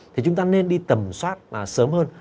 thì chúng ta nên đi tầm soát sớm hơn